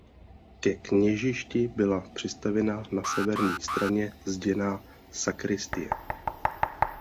Ke kněžišti byla přistavěna na severní straně zděná sakristie.